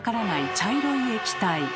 茶色い液体。